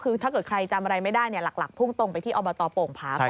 คือถ้าเกิดใครจำอะไรไม่ได้หลักพุ่งตรงไปที่อบตโป่งผาก่อน